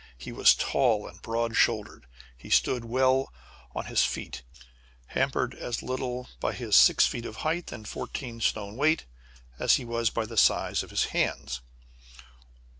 He was tall and broad shouldered. He stood well on his feet, hampered as little by his six feet of height and fourteen stone weight as he was by the size of his hands.